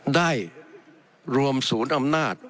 ได้รวมศูนย์อำนาจ